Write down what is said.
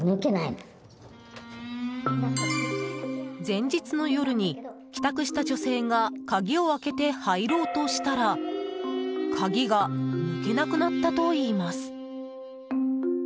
前日の夜に帰宅した女性が鍵を開けて入ろうとしたら鍵が抜けなくなったといいます。